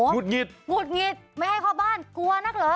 กุดงิดไม่ให้เข้าบ้านกลัวนักเหรอ